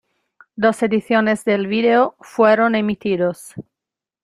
Dos ediciones del vídeo fueron emitidos.